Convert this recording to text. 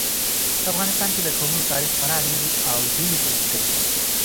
په افغانستان کې د قومونه تاریخ خورا ډېر او ډېر اوږد دی.